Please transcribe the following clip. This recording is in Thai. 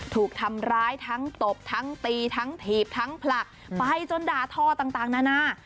ถูกทำร้ายทั้งตบทั้งตีทั้งถีบทั้งผลักไปจนด่าทอต่างนานา